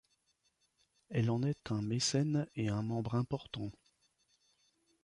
Elle en est un mécène et un membre important.